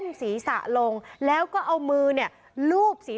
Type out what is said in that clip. วิทยาลัยศาสตรี